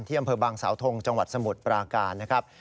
อำเภอบางสาวทงจังหวัดสมุทรปราการนะครับ